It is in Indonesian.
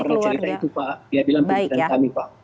dia cuma pernah cerita itu pak dia bilang ke kita pak